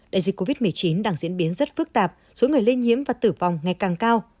đại dịch covid một mươi chín đang diễn biến rất phức tạp số người lây nhiễm và tử vong ngày càng cao